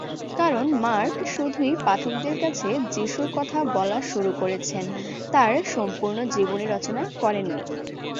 কারণ মার্ক শুধুই পাঠকদের কাছে যিশুর কথা বলা শুরু করেছেন, তাঁর সম্পূর্ণ জীবনী রচনা করেননি।